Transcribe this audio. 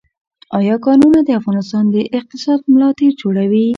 آیا کانونه د افغانستان د اقتصاد ملا تیر جوړوي؟